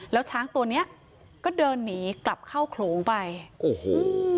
แล้วช้างตัวเนี้ยก็เดินหนีกลับเข้าโขลุไปโอ้โห